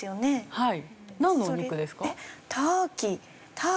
はい。